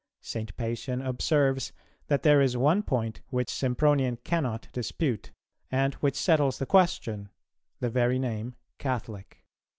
St. Pacian observes that there is one point which Sympronian cannot dispute, and which settles the question, the very name Catholic.